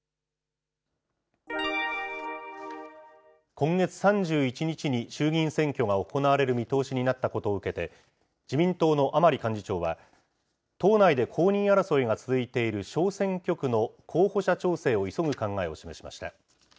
今月３１日に衆議院選挙が行われる見通しになったことを受けて、自民党の甘利幹事長は、党内で公認争いが続いている小選挙区の候補者調整を急ぐ考えを示しました。